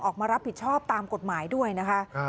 ออกมารับผิดชอบตามกฎหมายด้วยนะคะ